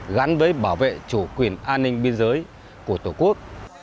gắn với bảo vệ chủ quyền an ninh biên giới của tổ quốc